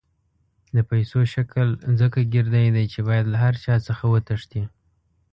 د پیسو شکل ځکه ګردی دی چې باید له هر چا څخه وتښتي.